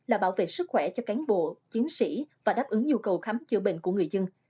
là bảo vệ sức khỏe cho cán bộ chiến sĩ và đáp ứng nhu cầu khám chữa bệnh của người dân